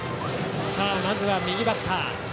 まずは右バッター。